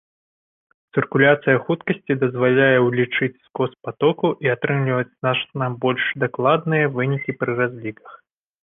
Цыркуляцыя хуткасці дазваляе ўлічыць скос патоку і атрымліваць значна больш дакладныя вынікі пры разліках.